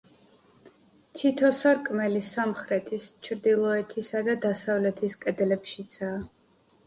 თითო სარკმელი სამხრეთის, ჩრდილოეთისა და დასავლეთის კედლებშიცაა.